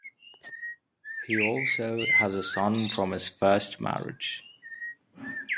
He also has a son from his first marriage.